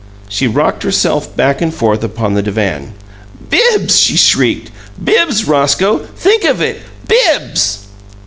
She rocked herself back and forth upon the divan. "Bibbs!" she shrieked. "Bibbs! Roscoe, THINK of it! BIBBS!"